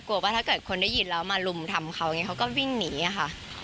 กลัวว่าถ้าเกิดคนได้ยินแล้วมารุมทำเขาเขาก็วิ่งหนีค่ะ